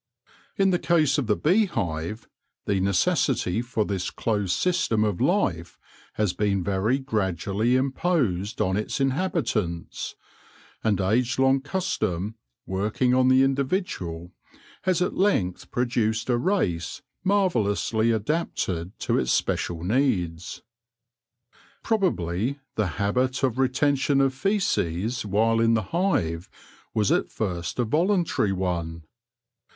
In the case of the beehive, the necessity for this close system of life has been very gradually imposed on its in habitants ; and age long custom, working on the individual, has at length produced a race marvellously adapted to its special needs. Probably the habit of retention of faeces while in the hive was at first a voluntary one.